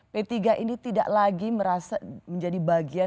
p tiga ini tidak lagi menjadi bagian